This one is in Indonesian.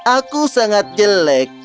aku sangat jelek